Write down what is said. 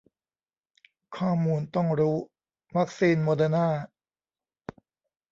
ข้อมูลต้องรู้ วัคซีนโมเดอร์นา